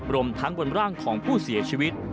รวมทั้งบนร่างของผู้เสียชีวิต